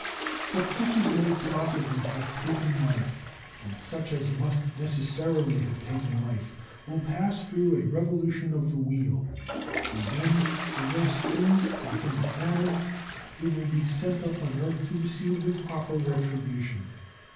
But such as may possibly have taken life, and such as must necessarily have taken life, will pass through a revolution of the Wheel, and then, when their sins have been examined, they will be sent up on earth to receive the proper retribution.